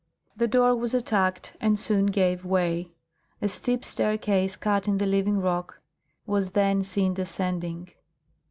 The door was attacked and soon gave way. A steep staircase cut in the living rock was then seen descending.